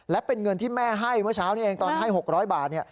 และเป็นเงินที่แม่ให้เมื่อเช้านี้เองตอนให้๖๐๐บาท